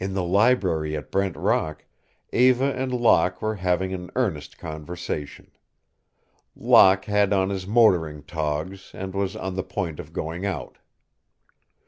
In the library at Brent Rock Eva and Locke were having an earnest conversation. Locke had on his motoring togs and was on the point of going out.